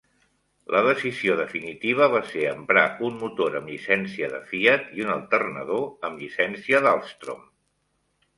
La decisió definitiva va ser emprar un motor amb llicència de Fiat i un alternador amb llicència d'Alsthrom.